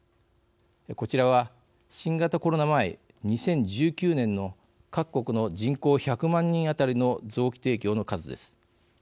こちらは、新型コロナ前２０１９年の各国の人口１００万人当たりの臓器提供の数です。